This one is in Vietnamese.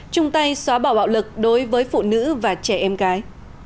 chung tay xóa bỏ bạo lực đối với phụ nữ và trẻ em gái